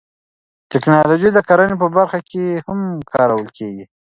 تکنالوژي د کرنې په برخه کې هم کارول کیږي.